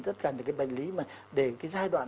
tất cả những cái bệnh lý mà để cái giai đoạn